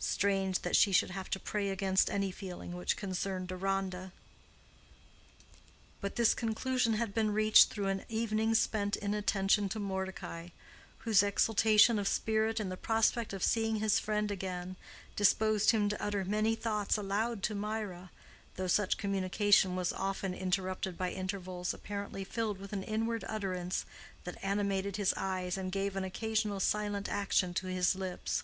Strange that she should have to pray against any feeling which concerned Deronda! But this conclusion had been reached through an evening spent in attending to Mordecai, whose exaltation of spirit in the prospect of seeing his friend again, disposed him to utter many thoughts aloud to Mirah, though such communication was often interrupted by intervals apparently filled with an inward utterance that animated his eyes and gave an occasional silent action to his lips.